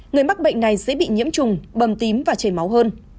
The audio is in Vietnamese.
người mắc bệnh này dễ bị nhiễm trùng bầm tím và chảy máu hơn